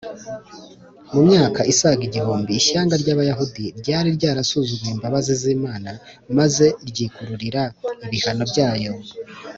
mu myaka isaga igihumbi, ishyanga ry’abayahudi ryari ryasuzuguye imbabazi z’imana maze ryikururira ibihano byayo